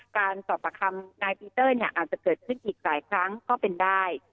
การสอบประคำนายปีเตอร์เนี่ยอาจจะเกิดขึ้นอีกหลายครั้งก็เป็นได้